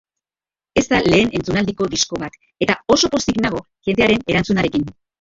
Ez da lehen entzunaldiko disko bat, eta oso pozik nago jendearen erantzunarekin.